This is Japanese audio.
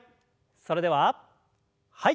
それでははい。